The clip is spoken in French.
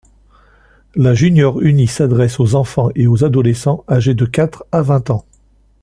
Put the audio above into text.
La Junior-Uni s'adresse aux enfants et aux adolescents âgés de quatre à vingt ans.